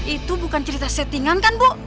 itu bukan cerita settingan kan bu